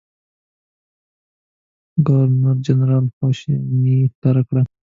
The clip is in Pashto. ګورنرجنرال خواشیني ښکاره کړه.